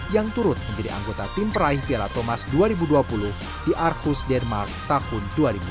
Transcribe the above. yang turut menjadi anggota tim peraih piala thomas dua ribu dua puluh di arcus denmark tahun dua ribu dua puluh